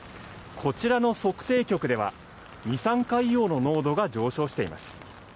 こちらの測定局では二酸化硫黄の濃度が上昇しています。